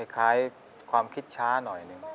คล้ายความคิดช้าหน่อยหนึ่ง